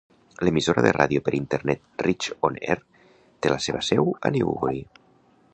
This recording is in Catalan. L'emissora de ràdio per internet Reach OnAir té la seva seu a Newbury.